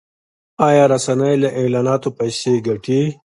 آیا رسنۍ له اعلاناتو پیسې ګټي؟